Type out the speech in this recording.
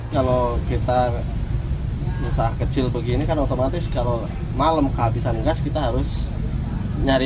kalau kita usaha kecil begini kan otomatis kalau malam kehabisan gas kita harus nyari